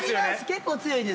結構強いです。